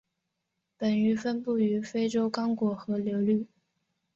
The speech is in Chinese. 本鱼分布于非洲刚果河流域。